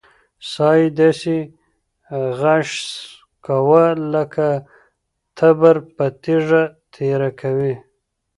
سا يې داسې غژس کوه لک تبر په تيږه تېره کوې.